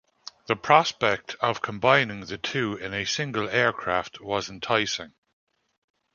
The prospect of combining the two in a single aircraft was enticing.